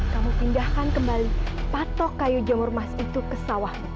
kamu pindahkan kembali patok kayu jamur emas itu ke sawahmu